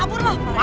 abur lah pak rete